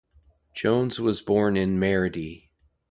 Jones was born in Maerdy.